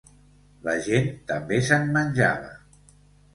La gent també se'n menjava.